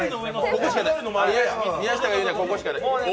宮下が言うてる、ここしかない。